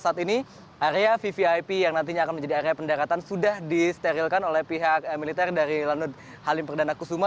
saat ini area vvip yang nantinya akan menjadi area pendaratan sudah disterilkan oleh pihak militer dari lanut halim perdana kusuma